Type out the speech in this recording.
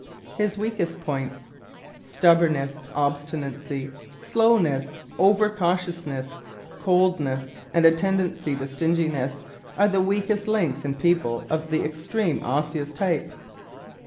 His Weakest Points ¶ Stubbornness, obstinacy, slowness, over cautiousness, coldness and a tendency to stinginess are the weakest links in people of the extreme Osseous type.